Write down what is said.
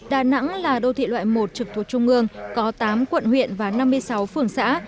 đà nẵng là đô thị loại một trực thuộc trung ương có tám quận huyện và năm mươi sáu phường xã